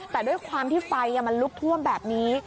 แต่ด้วยความที่ไฟมันลุกท่วมแบบนี้